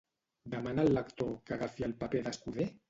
Demana al lector que agafi el paper d'escuder?